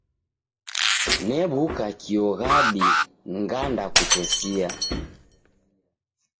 New'uka kio ghadi ngandakutesia.